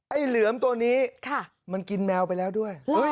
เหลือมตัวนี้มันกินแมวไปแล้วด้วย